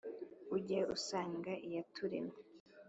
ujye usanga iyaturemye